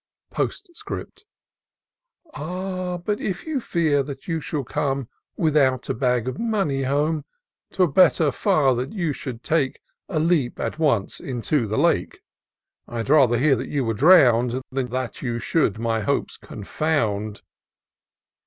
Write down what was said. Postscript. " But if you fear that you shall come Without a bag of money home, Twere better far that you should take A leap at once into the Lake : I'd rather hear that you were drown'd, Than that you should my hopes confound!"